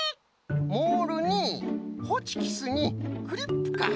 モールにホチキスにクリップか。